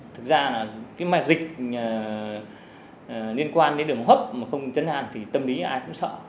thực ra là cái mệt liên quan đến đường hấp mà không chấn hàn thì tâm lý ai cũng sợ